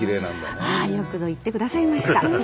ああよくぞ言ってくださいました。